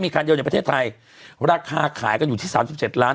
มีคันเดียวในประเทศไทยราคาขายกันอยู่ที่๓๗ล้าน